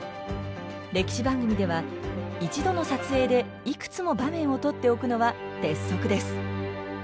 歴史番組では一度の撮影でいくつも場面を撮っておくのは鉄則です。